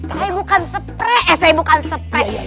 saya bukan sepre eh saya bukan sepre